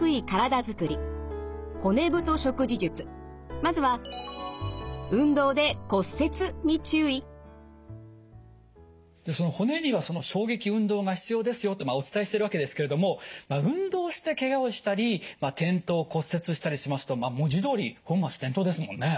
まずは骨には衝撃運動が必要ですよってお伝えしてるわけですけれども運動してケガをしたり転倒骨折したりしますと文字どおり本末転倒ですもんね。